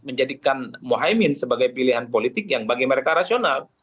menjadikan mohaimin sebagai pilihan politik yang bagi mereka rasional